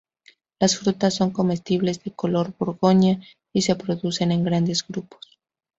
Las frutas son comestibles de color borgoña y se producen en grandes grupos.